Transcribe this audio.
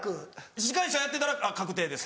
司会者やってたら確定です。